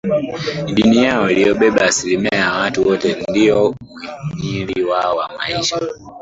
Dini yao iliyobeba asilimia ya watu wote ndio muhimili wao wa maisha